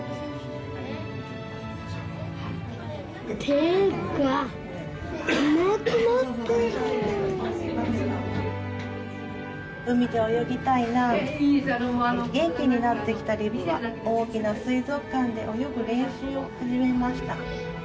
手がなくなってる「海で泳ぎたいな」「元気になってきたリブは大きな水族館で泳ぐ練習を始めました」